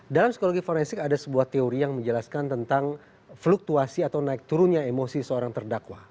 dalam psikologi forensik ada sebuah teori yang menjelaskan tentang fluktuasi atau naik turunnya emosi seorang terdakwa